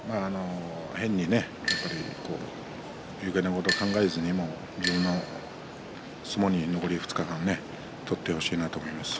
変によけいなことを考えずに自分の相撲を残り２日間取ってほしいなと思います。